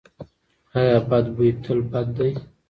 ایا بد بوی تل بد دی؟